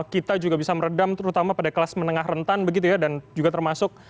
kita juga bisa meredam terutama pada kelas menengah rentan begitu ya dan juga termasuk